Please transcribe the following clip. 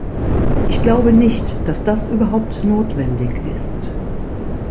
Ich glaube nicht, dass das überhaupt notwendig ist.